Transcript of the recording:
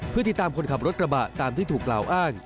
เพื่อติดตามคนขับรถกระบะตามที่ถูกกล่าวอ้าง